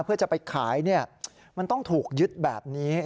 เพื่อจะไปขายมันต้องถูกยึดแบบนี้